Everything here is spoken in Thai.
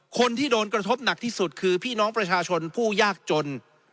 คนที่โดนกระทบหนักที่สุดคือพี่น้องประชาชนผู้ยากจน